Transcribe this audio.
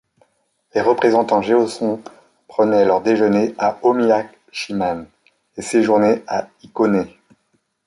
Les représentants Jeoson prenaient leur déjeuner à Omihachiman et séjournaient à Hikone.